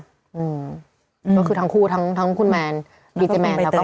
ก็คือทั้งคู่ทั้งคุณแมนบีเจแมนครับ